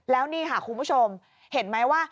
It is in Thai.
แล้วนี่ค่ะคุณผู้ชมเห็นไหมว่า